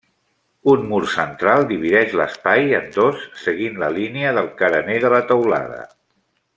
Un mur central divideix l'espai en dos seguint la línia del carener de la teulada.